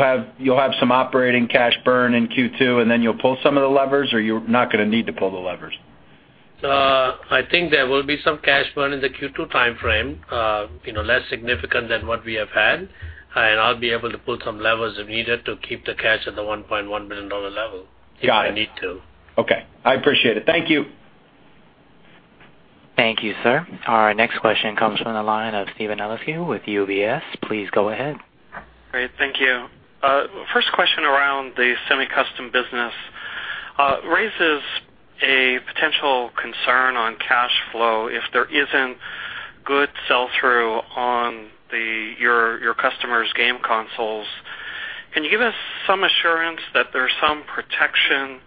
have some operating cash burn in Q2 and then you'll pull some of the levers, or you're not going to need to pull the levers? I think there will be some cash burn in the Q2 timeframe, less significant than what we have had. I'll be able to pull some levers if needed to keep the cash at the $1.1 billion level. Got it. if I need to. Okay. I appreciate it. Thank you. Thank you, sir. Our next question comes from the line of Steven Eliscu with UBS. Please go ahead. Great. Thank you. First question around the semi-custom business. Raises a potential concern on cash flow if there isn't good sell-through on your customers' game consoles. Can you give us some assurance that there's some protection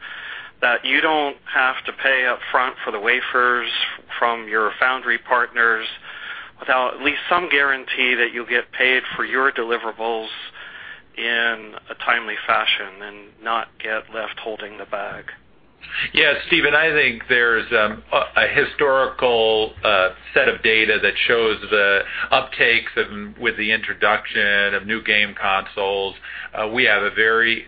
that you don't have to pay up front for the wafers from your foundry partners without at least some guarantee that you'll get paid for your deliverables in a timely fashion and not get left holding the bag? Yeah, Steven, I think there's a historical set of data that shows the uptakes with the introduction of new game consoles. We have a very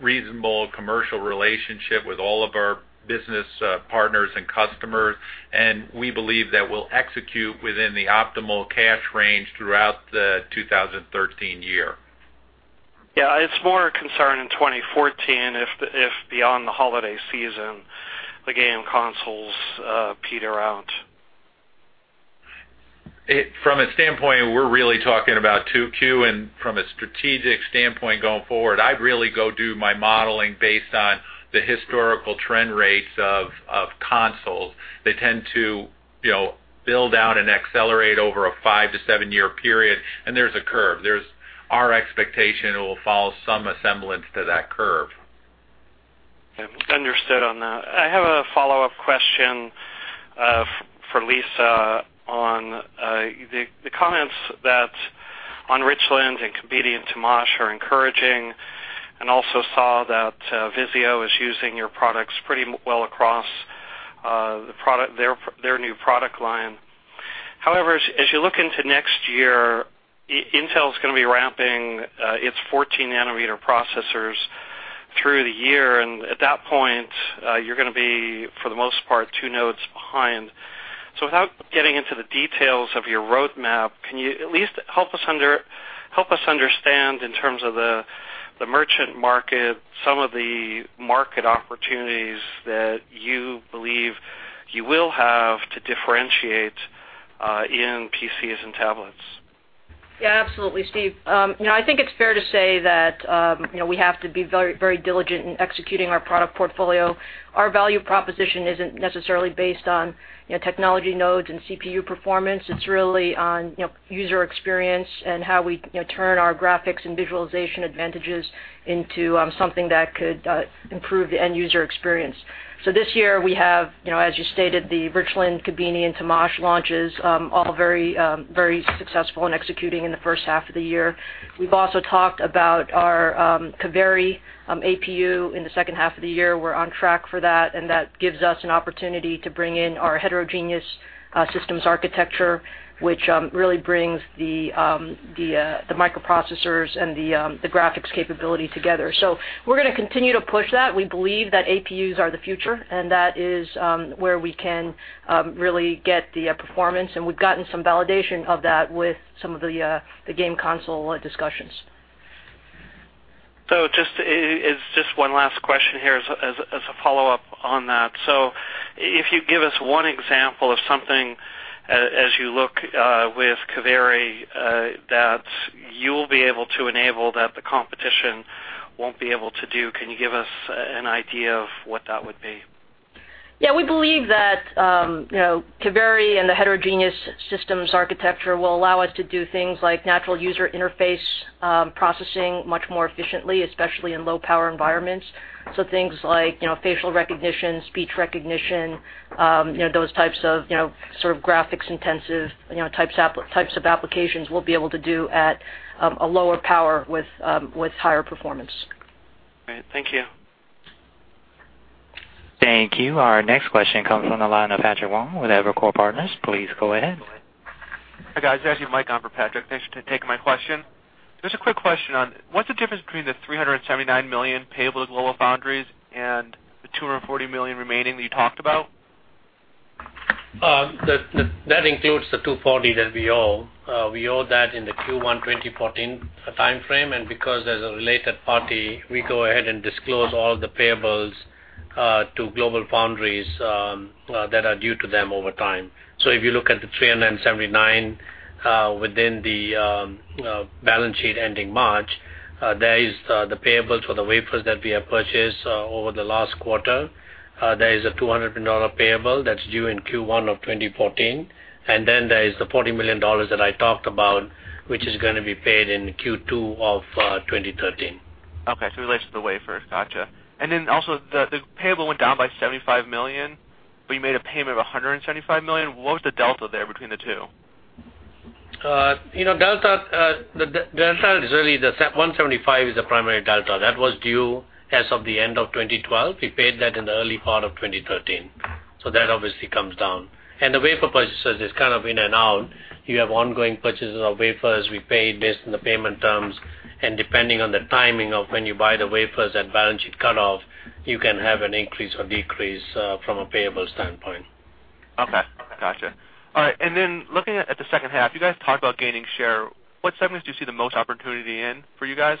reasonable commercial relationship with all of our business partners and customers, and we believe that we'll execute within the optimal cash range throughout the 2013 year. Yeah, it's more a concern in 2014 if beyond the holiday season, the game consoles peter out. From a standpoint, we're really talking about 2Q, and from a strategic standpoint going forward, I'd really go do my modeling based on the historical trend rates of consoles. They tend to build out and accelerate over a five to seven-year period, and there's a curve. Our expectation it will follow some resemblance to that curve. Understood on that. I have a follow-up question for Lisa on the comments that on Richland and Kabini and Temash are encouraging, also saw that VIZIO is using your products pretty well across their new product line. As you look into next year, Intel is going to be ramping its 14-nanometer processors through the year. At that point, you're going to be, for the most part, two nodes behind. Without getting into the details of your roadmap, can you at least help us understand in terms of the merchant market, some of the market opportunities that you believe you will have to differentiate in PCs and tablets? Absolutely, Steve. I think it's fair to say that we have to be very diligent in executing our product portfolio. Our value proposition isn't necessarily based on technology nodes and CPU performance. It's really on user experience and how we turn our graphics and visualization advantages into something that could improve the end user experience. This year we have, as you stated, the Richland, Kabini, and Temash launches, all very successful in executing in the first half of the year. We've also talked about our Kaveri APU in the second half of the year. We're on track for that, and that gives us an opportunity to bring in our Heterogeneous System Architecture, which really brings the microprocessors and the graphics capability together. We're going to continue to push that. We believe that APUs are the future, and that is where we can really get the performance. We've gotten some validation of that with some of the game console discussions. It's just one last question here as a follow-up on that. If you give us one example of something as you look with Kaveri that you'll be able to enable that the competition won't be able to do. Can you give us an idea of what that would be? We believe that Kaveri and the Heterogeneous System Architecture will allow us to do things like natural user interface processing much more efficiently, especially in low power environments. Things like facial recognition, speech recognition, those types of graphics intensive types of applications, we'll be able to do at a lower power with higher performance. Great. Thank you. Thank you. Our next question comes from the line of Patrick Wong with Evercore Partners. Please go ahead. Hi, guys. This is actually Mike on for Patrick. Thanks for taking my question. Just a quick question on what's the difference between the $379 million payable at GlobalFoundries and the $240 million remaining that you talked about? That includes the $240 that we owe. We owe that in the Q1 2014 timeframe, and because as a related party, we go ahead and disclose all the payables to GlobalFoundries that are due to them over time. If you look at the $379 within the balance sheet ending March, there is the payables for the wafers that we have purchased over the last quarter. There is a $200 million payable that's due in Q1 2014. Then there is the $40 million that I talked about, which is going to be paid in Q2 2013. Okay. It relates to the wafers. Got you. Also the payable went down by $75 million, but you made a payment of $175 million. What was the delta there between the two? The delta is really the $175 million is the primary delta that was due as of the end of 2012. We paid that in the early part of 2013. That obviously comes down. The wafer purchases is kind of in and out. You have ongoing purchases of wafers. We pay based on the payment terms, and depending on the timing of when you buy the wafers, that balance sheet cut off, you can have an increase or decrease from a payable standpoint. Okay. Got you. All right. Looking at the second half, you guys talked about gaining share. What segments do you see the most opportunity in for you guys?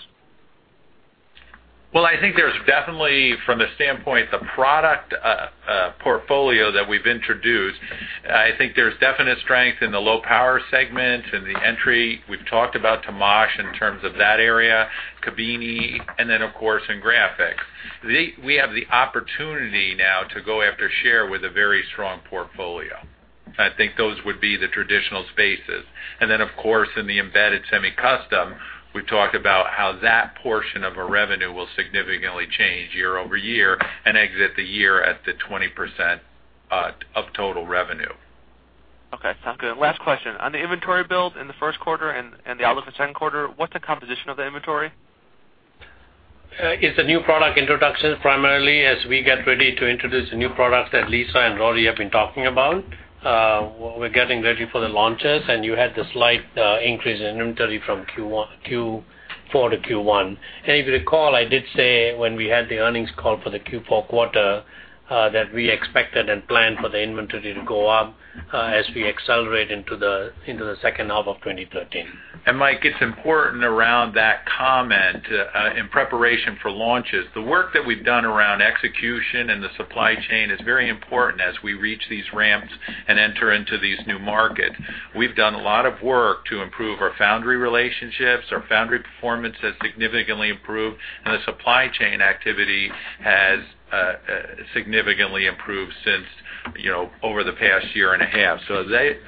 Well, I think there's definitely from a standpoint, the product portfolio that we've introduced, I think there's definite strength in the low power segment and the entry. We've talked about Temash in terms of that area, Kabini, and of course in graphics. We have the opportunity now to go after share with a very strong portfolio. I think those would be the traditional spaces. Of course, in the embedded semi-custom, we talked about how that portion of our revenue will significantly change year-over-year and exit the year at the 20% of total revenue. Okay, sounds good. Last question. On the inventory build in the first quarter and the outlook for second quarter, what's the composition of the inventory? It's the new product introduction, primarily as we get ready to introduce the new products that Lisa and Rory have been talking about. We're getting ready for the launches. You had the slight increase in inventory from Q4 to Q1. If you recall, I did say when we had the earnings call for the Q4 quarter, that we expected and planned for the inventory to go up as we accelerate into the second half of 2013. Mike, it's important around that comment in preparation for launches. The work that we've done around execution and the supply chain is very important as we reach these ramps and enter into these new markets. We've done a lot of work to improve our foundry relationships. Our foundry performance has significantly improved, and the supply chain activity has significantly improved since over the past year and a half.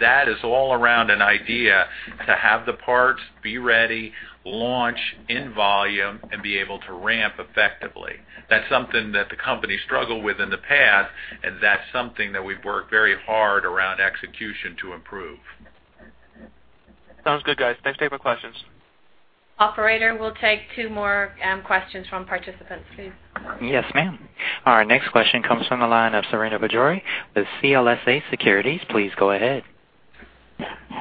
That is all around an idea to have the parts, be ready, launch in volume, and be able to ramp effectively. That's something that the company struggled with in the past, and that's something that we've worked very hard around execution to improve. Sounds good, guys. Thanks for taking my questions. Operator, we'll take two more questions from participants, please. Yes, ma'am. Our next question comes from the line of Srini Pajjuri with CLSA Securities. Please go ahead.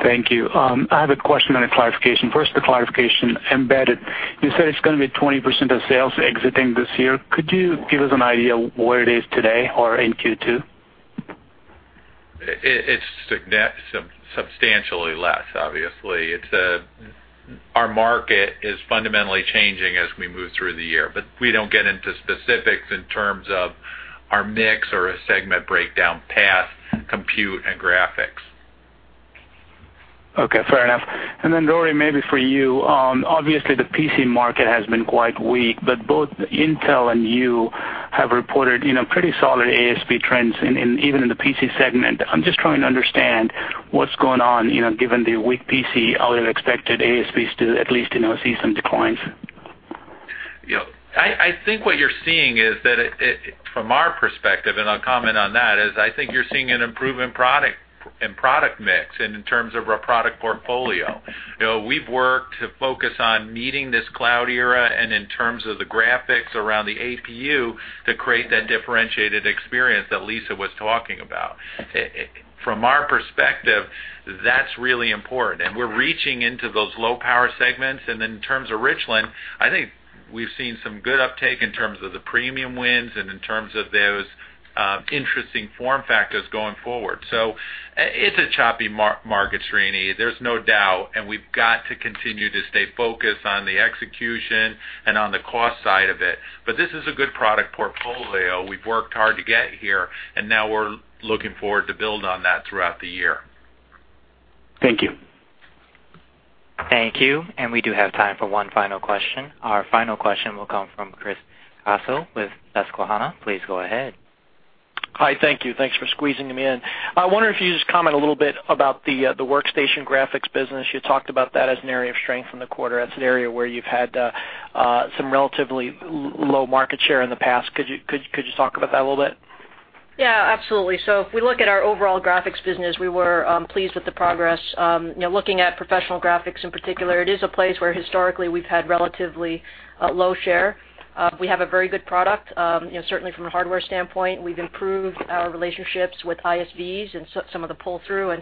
Thank you. I have a question and a clarification. First, the clarification. Embedded, you said it's going to be 20% of sales exiting this year. Could you give us an idea where it is today or in Q2? It's substantially less, obviously. Our market is fundamentally changing as we move through the year. We don't get into specifics in terms of our mix or a segment breakdown, PAS, compute, and graphics. Okay, fair enough. Rory, maybe for you, obviously the PC market has been quite weak, but both Intel and you have reported pretty solid ASP trends even in the PC segment. I'm just trying to understand what's going on, given the weak PC, I would have expected ASPs to at least see some declines. I think what you're seeing is that, from our perspective, and I'll comment on that, is I think you're seeing an improvement in product mix and in terms of our product portfolio. We've worked to focus on meeting this cloud era and in terms of the graphics around the APU to create that differentiated experience that Lisa was talking about. From our perspective, that's really important, and we're reaching into those low-power segments. In terms of Richland, I think we've seen some good uptake in terms of the premium wins and in terms of those interesting form factors going forward. It's a choppy market, Srini. There's no doubt, and we've got to continue to stay focused on the execution and on the cost side of it. This is a good product portfolio. We've worked hard to get here, now we're looking forward to build on that throughout the year. Thank you. Thank you. We do have time for one final question. Our final question will come from Chris Caso with Susquehanna. Please go ahead. Hi, thank you. Thanks for squeezing me in. I wonder if you could just comment a little bit about the workstation graphics business. You talked about that as an area of strength in the quarter. That's an area where you've had some relatively low market share in the past. Could you talk about that a little bit? Absolutely. If we look at our overall graphics business, we were pleased with the progress. Looking at professional graphics in particular, it is a place where historically we've had relatively low share. We have a very good product, certainly from a hardware standpoint. We've improved our relationships with ISVs and some of the pull-through,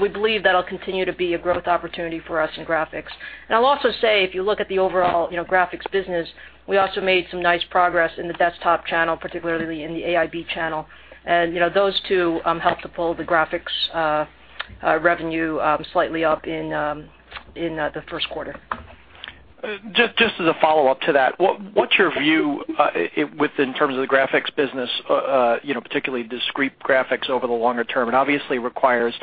we believe that'll continue to be a growth opportunity for us in graphics. I'll also say, if you look at the overall graphics business, we also made some nice progress in the desktop channel, particularly in the AIB channel. Those two helped to pull the graphics revenue slightly up in the first quarter. Just as a follow-up to that, what's your view in terms of the graphics business, particularly discrete graphics over the longer term? Obviously, it requires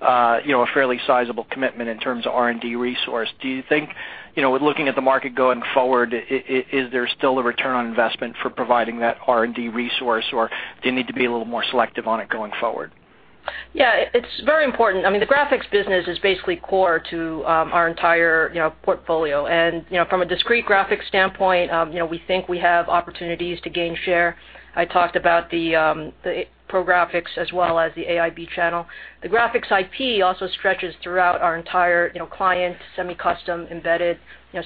a fairly sizable commitment in terms of R&D resource. Do you think, with looking at the market going forward, is there still a return on investment for providing that R&D resource, or do you need to be a little more selective on it going forward? It's very important. The graphics business is basically core to our entire portfolio, and from a discrete graphics standpoint, we think we have opportunities to gain share. I talked about the pro graphics as well as the AIB channel. The graphics IP also stretches throughout our entire client, semi-custom, embedded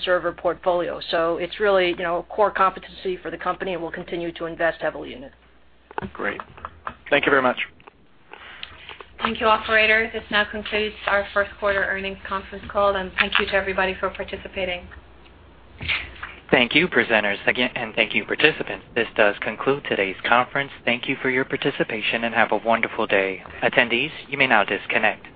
server portfolio. It's really a core competency for the company, and we'll continue to invest heavily in it. Great. Thank you very much. Thank you, operator. This now concludes our first quarter earnings conference call, and thank you to everybody for participating. Thank you, presenters. Again, thank you, participants. This does conclude today's conference. Thank you for your participation, and have a wonderful day. Attendees, you may now disconnect.